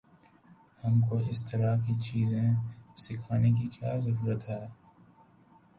ہم کو اس طرح کی چیزیں سیکھنے کی کیا ضرورت ہے؟